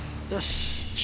よし。